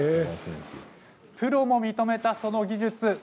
プロも認めたその技術。